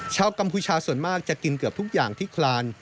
กัมพูชาส่วนมากจะกินเกือบทุกอย่างที่คลาน